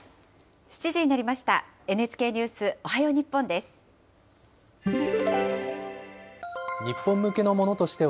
７時になりました。